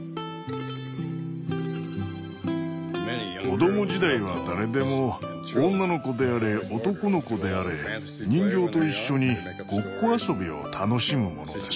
子ども時代は誰でも女の子であれ男の子であれ人形と一緒にごっこ遊びを楽しむものです。